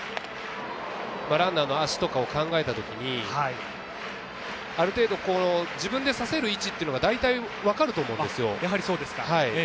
ランナーの足とかを考えたときにある程度、自分で刺せる位置が大体分かると思うんですよ。